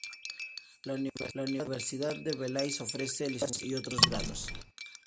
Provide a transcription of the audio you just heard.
La Universidad de Belice ofrece licenciaturas, y otros grados.